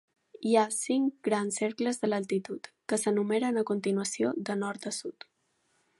Hi ha cinc grans cercles de latitud, que s'enumeren a continuació de nord a sud.